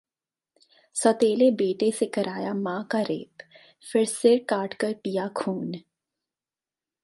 सौतेले बेटे से कराया मां का रेप, फिर सिर काटकर पिया खून